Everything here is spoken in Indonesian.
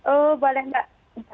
oh boleh mbak